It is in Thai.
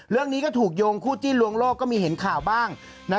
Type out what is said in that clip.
เรื่องนี้ก็ถูกโยงคู่จิ้นลวงโลกก็มีเห็นข่าวบ้าง